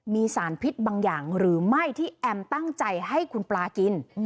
มีสารพิษบางอย่างหรือไม่ที่แอมตั้งใจให้คุณปลากิน